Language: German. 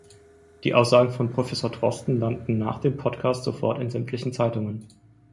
Die Aussagen von Professor Drosten landen nach dem Podcast sofort in sämtlichen Zeitungen.